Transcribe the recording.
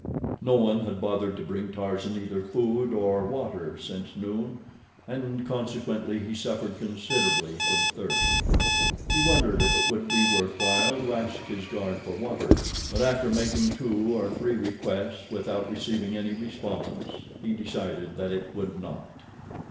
No one had bothered to bring Tarzan either food or water since noon, and consequently he suffered considerably from thirst. He wondered if it would be worth while to ask his guard for water, but after making two or three requests without receiving any response, he decided that it would not.